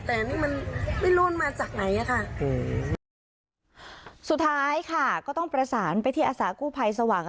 แต่นี่มันไม่รู้มันมาจากไหนอ่ะค่ะอืมสุดท้ายค่ะก็ต้องประสานไปที่อาสากู้ภัยสว่าง